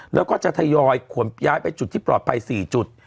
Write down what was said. แล้วก็จะทยอยขนย้ายไปจุดที่ปลอดภัย๔จุด